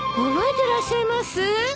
覚えてらっしゃいます？